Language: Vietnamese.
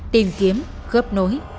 tìm kiếm khớp nối